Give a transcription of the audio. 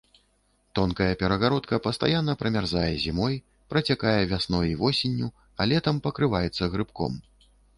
Тонкая перагародка пастаянна прамярзае зімой, працякае вясной і восенню, а летам пакрываецца грыбком.